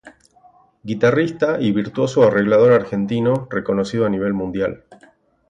Guitarrista y virtuoso arreglador argentino reconocido a nivel mundial.